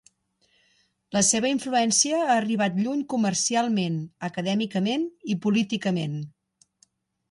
La seva influència ha arribat lluny comercialment, acadèmicament i políticament.